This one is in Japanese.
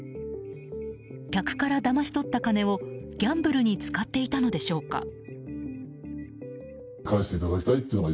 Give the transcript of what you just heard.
客からだまし取った金をギャンブルに使っていたのでしょうか。